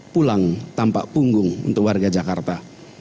pulang tanpa punggung untuk warga jakarta